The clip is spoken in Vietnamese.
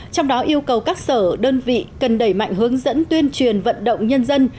trong đó yêu cầu các sở đơn vị cần đẩy mạnh hướng dẫn tuyên truyền vận động nhân dân